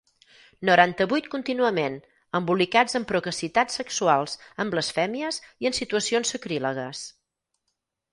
Noranta-vuit contínuament, embolicats en procacitats sexuals, en blasfèmies i en situacions sacrílegues.